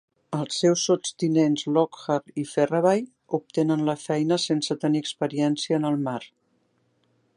Els seus sotstinents, Lockhart i Ferraby, obtenen la feina sense tenir experiència en el mar.